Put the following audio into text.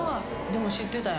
でも知ってたんや。